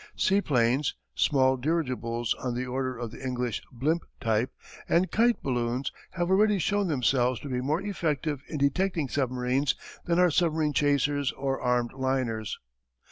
Seaplanes, small dirigibles on the order of the English "blimp" type, and kite balloons have already shown themselves to be more effective in detecting submarines than are submarine chasers or armed liners.